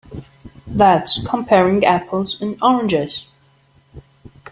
That's comparing apples and oranges.